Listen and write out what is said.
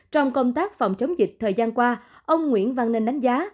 trong công tác phòng chống dịch thời gian qua ông nguyễn văn nên đánh giá